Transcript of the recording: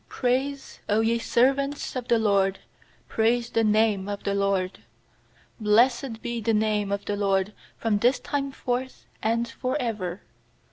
_L ci praise^ Q ye servants of the LORD, Praise the name of the LORD. ^Blessed be the name of the LORD From this time forth and for ever.